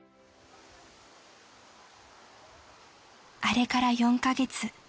［あれから４カ月］